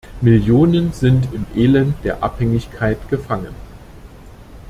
Millionen sind im Elend der Abhängigkeit gefangen.